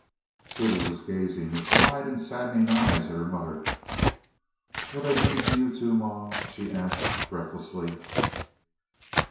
Kitty was gazing with wide and saddening eyes at her mother. "Were they mean to you too, ma?" she asked breathlessly.